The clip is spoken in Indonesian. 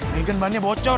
megan bahannya bocor